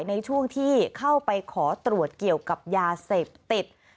ในช่วงที่เข้าไปขอตรวจเกี่ยวกับยาเสพติด